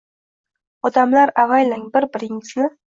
Odamlar, avaylang bir-biringizni